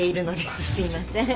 すいません。